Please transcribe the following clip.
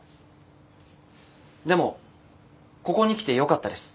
でもここに来てよかったです。